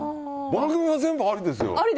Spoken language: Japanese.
番組は全部ありですよ。